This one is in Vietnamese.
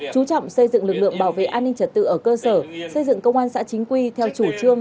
chú trọng xây dựng lực lượng bảo vệ an ninh trật tự ở cơ sở xây dựng công an xã chính quy theo chủ trương